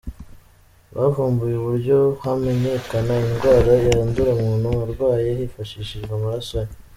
bavumbuye uburyo hamenyekana indwara yandura umuntu arwaye hifashishijwe amaraso ye.